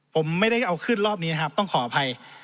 ผมไม่ได้เอาขึ้นรอบนี้นะครับต้องขออภัย